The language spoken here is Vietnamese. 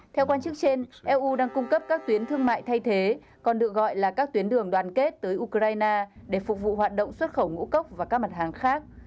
theo quan chức trên eu đang cung cấp các tuyến thương mại thay thế còn được gọi là các tuyến đường đoàn kết tới ukraine để phục vụ hoạt động xuất khẩu ngũ cốc và các mặt hàng khác